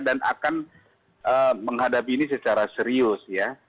dan akan menghadapi ini secara serius ya